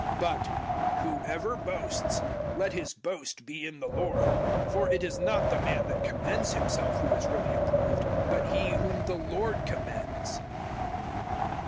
010:017 But "whoever boasts, let his boast be in the Lord." 010:018 For it is not the man that commends himself who is really approved, but he whom the Lord commends.